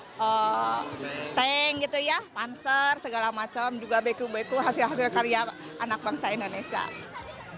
panser segala macam juga beku beku hasil hasil karya anak bangsa indonesia